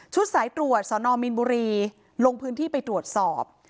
สายตรวจสนมีนบุรีลงพื้นที่ไปตรวจสอบ